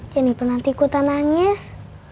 jennifer nanti ikutan nangis